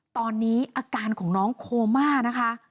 ตอนนี้อาการของน้องโคม่านะคะ